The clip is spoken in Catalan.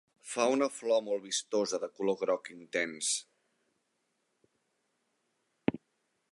Fa una flor molt vistosa de color groc intens.